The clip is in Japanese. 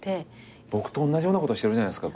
僕とおんなじようなことしてるじゃないですか。